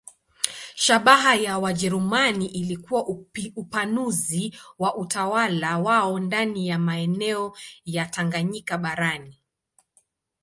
Shabaha ya Wajerumani ilikuwa upanuzi wa utawala wao ndani ya maeneo ya Tanganyika barani.